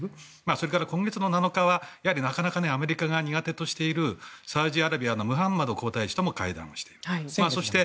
それから、今月７日はアメリカが苦手としているサウジアラビアのムハンマド皇太子とも会談をしている。